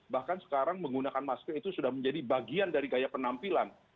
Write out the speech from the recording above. bahkan sekarang menggunakan masker itu sudah menjadi bagian dari gaya penampilan